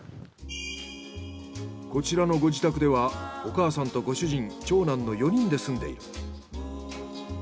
こちらのご自宅ではお母さんとご主人長男の４人で住んでいる。